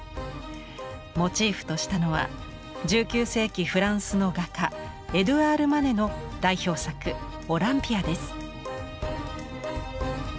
モチーフとしたのは１９世紀フランスの画家エドゥアール・マネの代表作「オランピア」です。